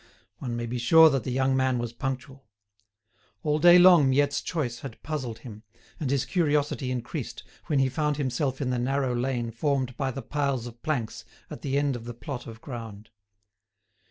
One may be sure that the young man was punctual. All day long Miette's choice had puzzled him, and his curiosity increased when he found himself in the narrow lane formed by the piles of planks at the end of the plot of ground.